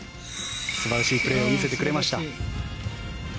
素晴らしいプレーを見せてくれました。